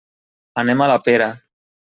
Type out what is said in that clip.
Anem a la Pera.